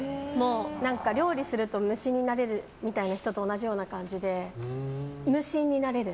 料理すると無心になれるみたいな人と同じような感じで無心になれる。